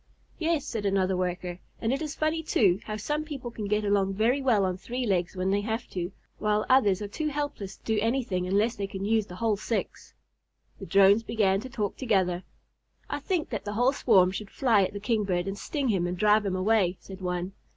"Yes," said another Worker, "and it is funny, too, how some people can get along very well on three legs when they have to, while others are too helpless to do anything unless they can use the whole six." The Drones began to talk together. "I think that the whole swarm should fly at the Kingbird and sting him and drive him away," said one.